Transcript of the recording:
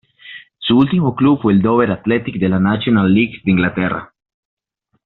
Su último club fue el Dover Athletic de la National League de Inglaterra.